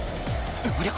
ありゃ！？